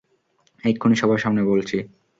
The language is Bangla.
এক্ষুনি সবার সামনে বলছি!